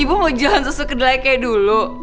ibu mau jualan susu kedelai kayak dulu